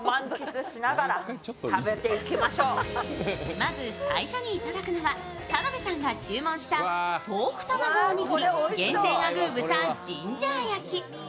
まず最初に頂くのは、田辺さんが注文したポークたまごおにぎり厳選アグー豚ジンジャー焼き。